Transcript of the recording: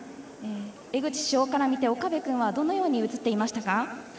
江口主将から見て岡部君はどのように映っていましたか。